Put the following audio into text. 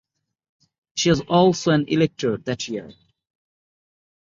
She was also an elector that year.